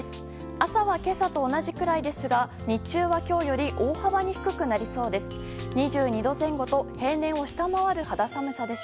朝は今朝と同じくらいですが日中は今日より大幅に低くなりそうです。